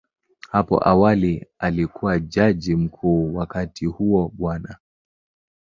Hapo awali alikuwa Jaji Mkuu, wakati huo Bw.